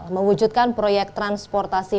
mewujudkan proyek transportasi